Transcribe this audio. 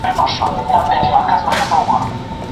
د سهارنسیم راوړی له خوږې مېني پیغام دی